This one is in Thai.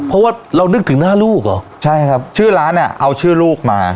เพราะว่าเรานึกถึงหน้าลูกเหรอใช่ครับชื่อร้านอ่ะเอาชื่อลูกมา